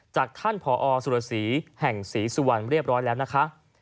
จากท่านผอสุรศรีแห่งศรีสุวรรณเรียบร้อยแล้วนะคะ